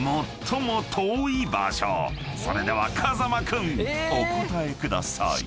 ［それでは風間君お答えください］